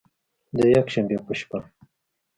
د یکشنبې په شپه